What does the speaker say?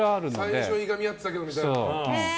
最初いがみ合ってたけどみたいな。